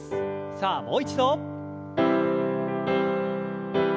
さあもう一度。